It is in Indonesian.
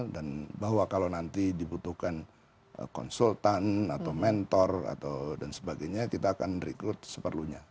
dan bahwa kalau nanti dibutuhkan konsultan atau mentor atau dan sebagainya kita akan recruit seperlunya